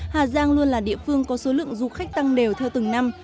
hà giang luôn là địa phương có số lượng du khách tăng đều theo từng năm